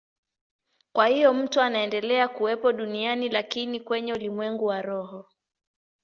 Kwa hiyo mtu anaendelea kuwepo duniani, lakini kwenye ulimwengu wa roho.